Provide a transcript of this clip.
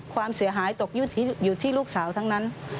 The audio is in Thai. ความเสียหายตกอยู่ที่ลูกสาวทั้งนั้น